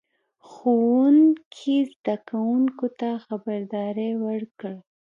ښوونکي زده کوونکو ته خبرداری ورکړ.